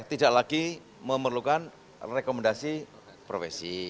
tidak lagi memerlukan rekomendasi profesi